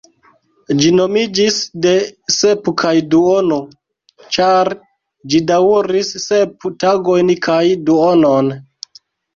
Ĝi nomiĝis "de sep kaj duono", ĉar ĝi daŭris sep tagojn kaj duonon.